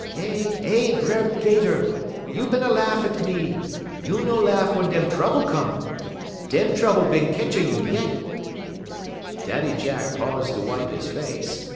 "'Eh eh, B'er 'Gater! you bin a lahff at me; you no lahff wun dem trouble come. Dem trouble bin ketch a you yit.'" Daddy Jack paused to wipe his face.